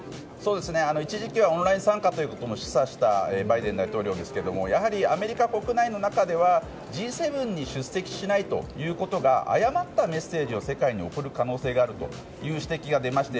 一時期はオンライン参加も示唆したバイデン大統領ですけどやはりアメリカ国内の中ではＧ７に出席しないということが誤ったメッセージを世界に送る可能性があるという指摘が出まして